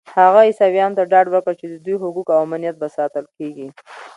هغه عیسویانو ته ډاډ ورکړ چې د دوی حقوق او امنیت به ساتل کېږي.